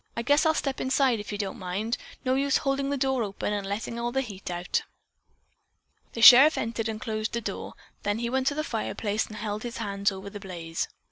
I guess I'll step inside, if you don't mind. No use holding the door open and letting the heat all out." The sheriff entered and closed the door, then he went to the fireplace and held his hands over the blaze.